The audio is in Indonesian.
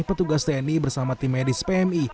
petugas tni bersama tim medis pmi